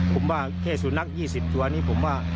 ผมว่าเทศูนัก๒๐ตัวนี้ผมว่า